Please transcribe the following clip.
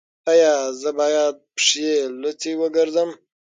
ایا زه باید پښې لوڅې وګرځم؟